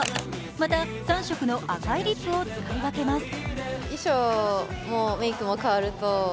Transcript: また、３色の赤いリップを使い分けます。